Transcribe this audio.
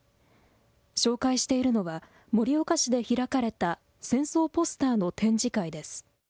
紹介しているのは、盛岡市で開かれた戦争ポスターの展示会です。